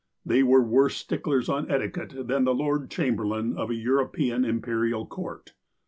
They were worse sticklers on etiquette than the Lord Chamberlain of a European Imperial Court.